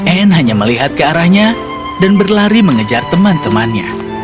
anne hanya melihat ke arahnya dan berlari mengejar teman temannya